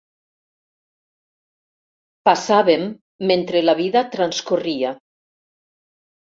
Passàvem mentre la vida transcorria.